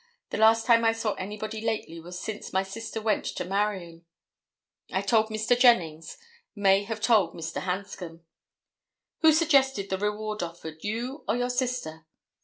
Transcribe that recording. The last time I saw anybody lately was since my sister went to Marion. I told Mr. Jennings, may have told Mr. Hanscom." "Who suggested the reward offered, you or your sister?"